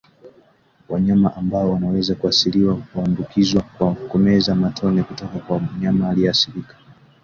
Wanyama ambao wanaweza kuathiriwa huambukizwa kwa kumeza matone kutoka kwa mnyama aliyeathirika